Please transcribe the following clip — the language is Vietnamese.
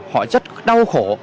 họ rất đau khổ